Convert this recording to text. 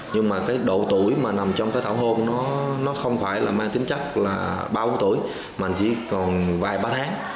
nhưng mà cái độ tuổi mà nằm trong cái tảo hôn nó không phải là mang tính chắc là bao tuổi mà chỉ còn vài ba tháng